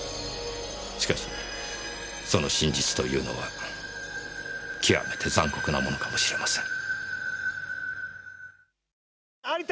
しかしその真実というのは極めて残酷なものかもしれません。